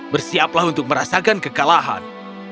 bersiaplah untuk merasakan kekalahan